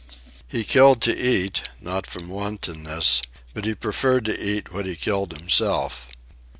He killed to eat, not from wantonness; but he preferred to eat what he killed himself.